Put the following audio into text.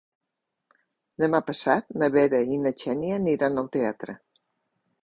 Demà passat na Vera i na Xènia aniran al teatre.